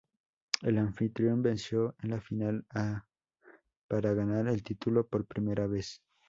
El anfitrión venció en la final a para ganar el título por primera vez.